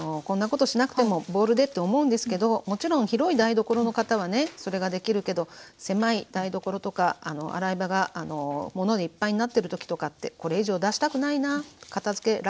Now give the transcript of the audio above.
こんなことしなくてもボウルでと思うんですけどもちろん広い台所の方はねそれができるけど狭い台所とか洗い場が物でいっぱいになってる時とかこれ以上出したくないな片づけ